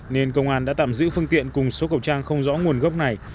nên công an đã tạm giữ phương tiện cùng số khẩu trang không rõ nguồn gốc này